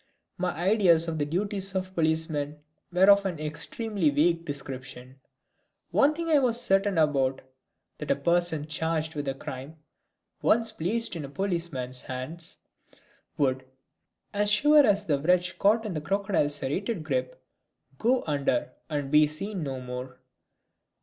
My ideas of the duties of policemen were of an extremely vague description. One thing I was certain about, that a person charged with crime once placed in a policeman's hands would, as sure as the wretch caught in a crocodile's serrated grip, go under and be seen no more.